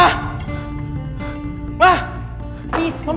ada apa sih